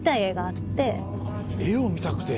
絵を見たくて？